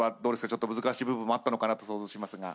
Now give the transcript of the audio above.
ちょっと難しい部分もあったのかなと想像しますが。